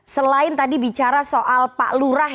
selain tadi bicara soal pak lurah